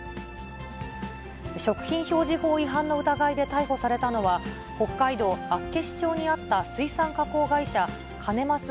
食品表示法違反の疑いで逮捕されたのは、北海道厚岸町にあった水産加工会社、カネマス